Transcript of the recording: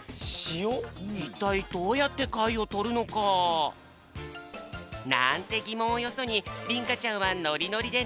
いったいどうやってかいをとるのか？なんてぎもんをよそにりんかちゃんはノリノリでなみうちぎわへ。